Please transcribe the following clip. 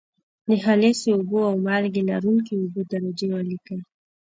د خالصو اوبو او مالګې لرونکي اوبو درجې ولیکئ.